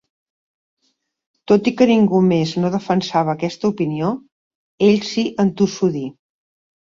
Tot i que ningú més no defensava aquesta opinió, ell s'hi entossudí.